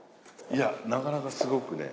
いやなかなかすごくね。